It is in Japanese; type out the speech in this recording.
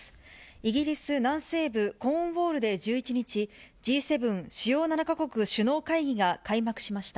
イギリス南西部、コーンウォールで１１日、Ｇ７・主要７か国首脳会議が開幕しました。